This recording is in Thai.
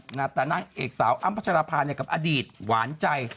แต่นางเอกสาวอ้ำพัชรภาเนี่ยกับอดีตหวานใจ